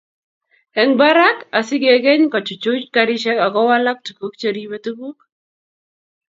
eng barak asigegany kechuchuch karishek ago walak tuguk cheribe tuguk